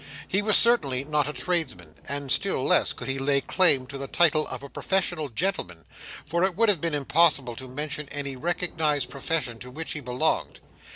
He was certainly not a tradesman, and still less could he lay any claim to the title of a professional gentleman; for it would have been impossible to mention any recognised profession to which he belonged.